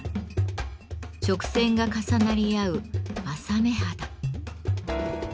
直線が重なり合う「柾目肌」。